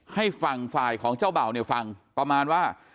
ให้ฝั่งฝ่ายของเจ้าเบ่าเนี่ยฟังประมาณว่า